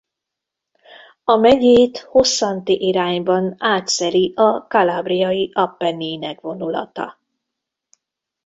A megyét hosszanti irányban átszeli a Calabriai-Appenninek vonulata.